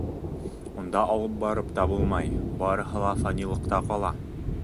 Унда алып барып та булмай, барыһы ла фанилыҡта ҡала.